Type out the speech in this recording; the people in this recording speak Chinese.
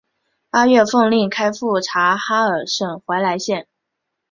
八月奉令开赴察哈尔省怀来县。